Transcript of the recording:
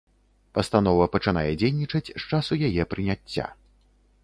Пастанова пачынае дзейнічаць з часу яе прыняцця.